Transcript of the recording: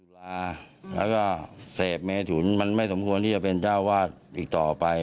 ลาแล้วก็เสพเมถุนมันไม่สมควรที่จะเป็นเจ้าวาดอีกต่อไป